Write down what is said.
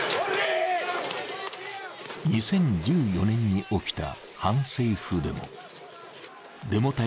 ２０１４年に起きた反政府デモ。